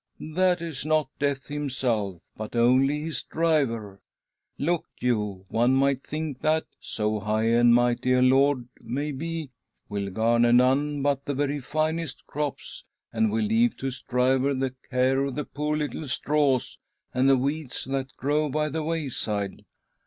That is not Death himself, but only his driver. Look you, one might think that, so high and mighty a lord maybe' will garner none but the very finest crops, and will leave to his driver the care of the poor little straws and weeds that grow by the wayside.